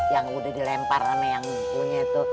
yang udah dilempar sama yang punya tuh